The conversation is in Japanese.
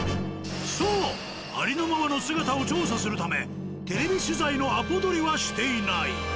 そうありのままの姿を調査するためテレビ取材のアポ取りはしていない。